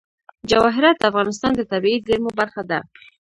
جواهرات د افغانستان د طبیعي زیرمو برخه ده.